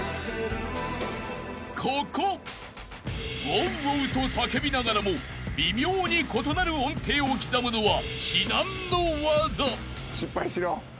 ［ウォウウォウと叫びながらも微妙に異なる音程を刻むのは至難の業］